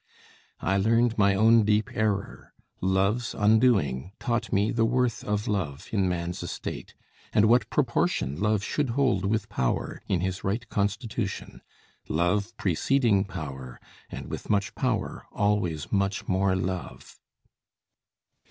I learned my own deep error: love's undoing Taught me the worth of love in man's estate, And what proportion love should hold with power In his right constitution; love preceding Power, and with much power always much more love."